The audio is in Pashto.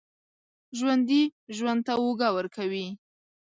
ژوندي ژوند ته اوږه ورکوي